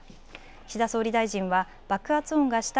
岸田総理大臣は爆発音がした